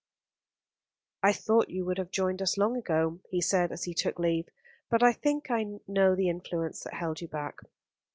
"I thought you would have joined us long ago," he said, as he took leave, "but I think I know the influence that held you back."